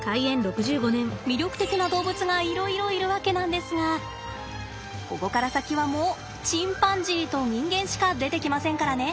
魅力的な動物がいろいろいるわけなんですがここから先はもうチンパンジーと人間しか出てきませんからね。